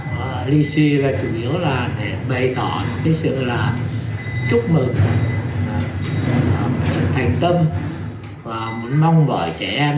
và lì xì là chủ yếu là để bày tỏ cái sự là chúc mừng sự thành tâm và muốn mong bởi trẻ em